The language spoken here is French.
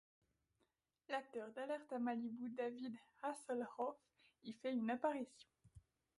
L'acteur d'Alerte à Malibu David Hasselhoff y fait une apparition.